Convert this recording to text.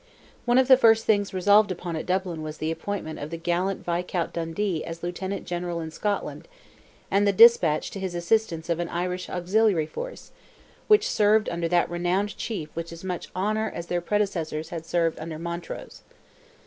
One of the first things resolved upon at Dublin was the appointment of the gallant Viscount Dundee as Lieutenant General in Scotland—and the despatch to his assistance of an Irish auxiliary force, which served under that renowned chief with as much honour as their predecessors had served under Montrose.